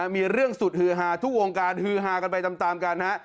มีเรื่องสุดฮือฮาทุกวงการฮือฮากันไปตามกันฮะ